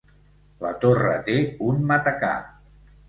La torre té un matacà.